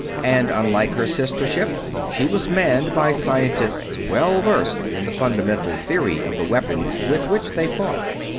And, unlike her sister ship, she was manned by scientists well versed in the fundamental theory of the weapons with which they fought.